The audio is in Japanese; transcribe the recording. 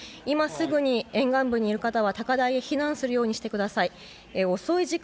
今すぐに沿岸部にいる方は高台へ避難するようにしてください。